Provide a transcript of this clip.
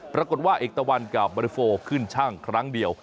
ปรากฏว่าเอกตะวันกับบริโฟขึ้นชั่งครั้งเดียว